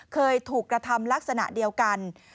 เคยถูกกระทำลักษณะเดียวกัน